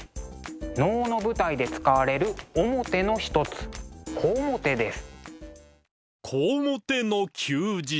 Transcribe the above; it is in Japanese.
能の舞台で使われる面の一つ小面です。